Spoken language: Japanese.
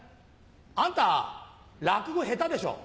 あんた落語下手でしょう？